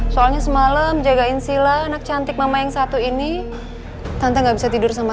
kalau mau pulang sekalian aja sama saya